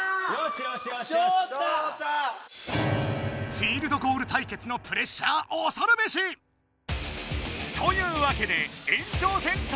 フィールドゴール対決のプレッシャーおそるべし！というわけで延長戦突入！